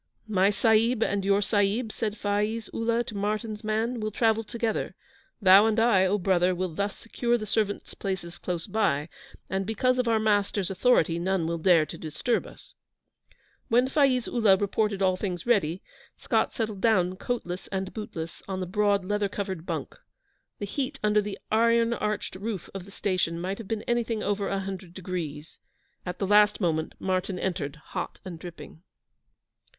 'My Sahib and your Sahib,' said Faiz Ullah to Martyn's man, 'will travel together. Thou and I, O brother, will thus secure the servants' places close by, and because of our masters' authority none will dare to disturb us.' When Faiz Ullah reported all things ready, Scott settled down coatless and bootless on the broad leather covered bunk. The heat under the iron arched roof of the station might have been anything over a hundred degrees. At the last moment Martyn entered, hot and dripping.